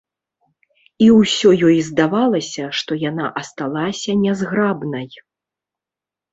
І ўсё ёй здавалася, што яна асталася нязграбнай.